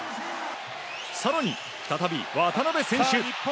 更に、再び渡邊選手。